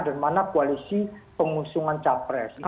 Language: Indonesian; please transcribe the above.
dan mana koalisi pengusungan capres